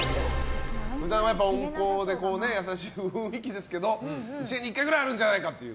普段は温厚で優しい雰囲気ですけど１年に１回ぐらいあるんじゃないかと。